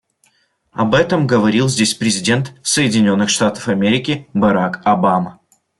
Об этом говорил здесь президент Соединенных Штатов Америки Барак Обама.